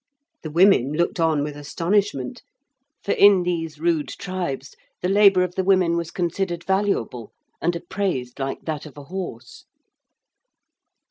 The women looked on with astonishment, for in these rude tribes the labour of the women was considered valuable and appraised like that of a horse.